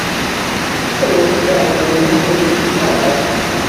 Ad as-tɛeyynem i Mexluf, naɣ?